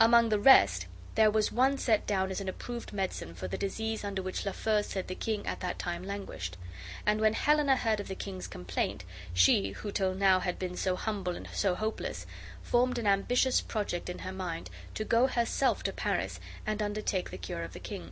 Among the rest there was one set down as an approved medicine for the disease under which Lafeu said the king at that time languished; and when Helena heard of the king's complaint, she, who till now had been so humble and so hopeless, formed an ambitious project in her mind to go herself to Paris and undertake the cure of the king.